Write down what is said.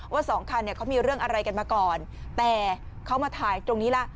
สองคันเนี่ยเขามีเรื่องอะไรกันมาก่อนแต่เขามาถ่ายตรงนี้ล่ะ